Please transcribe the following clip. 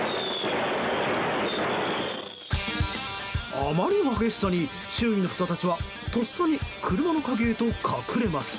あまりの激しさに周囲の人たちはとっさに車の陰へと隠れます。